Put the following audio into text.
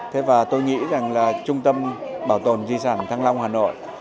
thế và tôi nghĩ rằng là trung tâm bảo tồn di sản thăng long hà nội